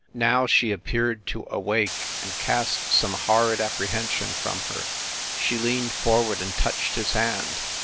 Now she ap peared to awake and cast some horrid apprehension from her. She leaned forward and touched his hand.